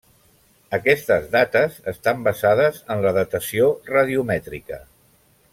Aquestes dates estan basades en la datació radiomètrica.